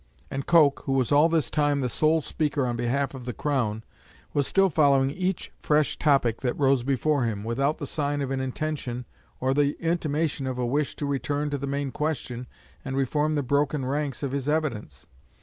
And Coke, who was all this time the sole speaker on behalf of the Crown, was still following each fresh topic that rose before him, without the sign of an intention or the intimation of a wish to return to the main question and reform the broken ranks of his evidence.